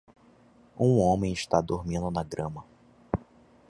Um homem está dormindo na grama.